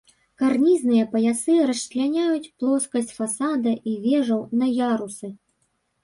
Карнізныя паясы расчляняюць плоскасць фасада і вежаў на ярусы.